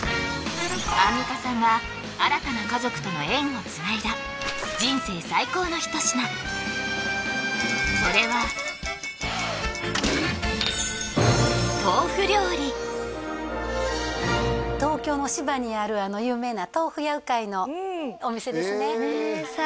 アンミカさんが新たな家族との縁をつないだ人生最高の一品それは東京の芝にあるあの有名なとうふ屋うかいのお店ですねへえ